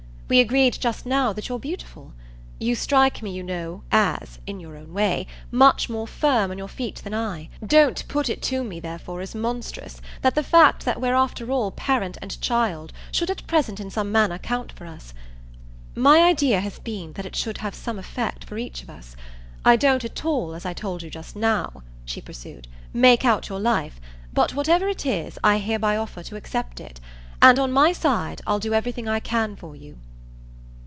We agreed just now that you're beautiful. You strike me, you know, as in your own way much more firm on your feet than I. Don't put it to me therefore as monstrous that the fact that we're after all parent and child should at present in some manner count for us. My idea has been that it should have some effect for each of us. I don't at all, as I told you just now," she pursued, "make out your life; but whatever it is I hereby offer to accept it. And, on my side, I'll do everything I can for you."